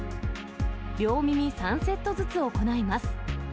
両耳３セットずつ行います。